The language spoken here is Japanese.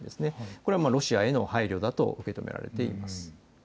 これはロシアへの配慮だと受け止められています。